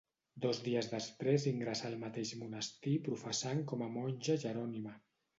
Dos dies després ingressà al mateix monestir professant com a monja jerònima.